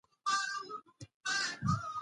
د غذایي مکملونو استعمال د مایکروبونو توازن ساتي.